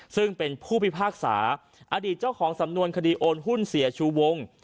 ซึ่งเป็นผู้พิพากษาอดีตเจ้าของสำนวนคดีโอนหุ้นเสียชูวง